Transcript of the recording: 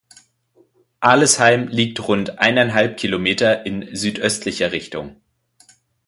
Alesheim liegt rund eineinhalb Kilometer in südöstlicher Richtung.